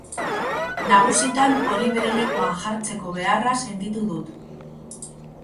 Nagusitan hori bere lekuan jartzeko beharra sentitu dut.